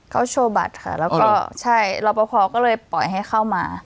เขาโชว์บัตรค่ะแล้วก็ใช่รอปภก็เลยปล่อยให้เข้ามา